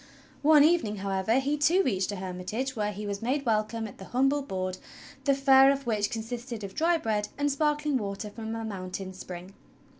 One evening, how^ever, he, too, reached a hermitage where he was made welcome at the humble board, the fare of which consisted of dry bread and sparkling water from a mountain spring.